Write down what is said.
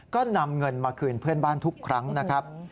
ก็นำเงินมาคืนเพื่อนบ้านทุกครั้งนะครับ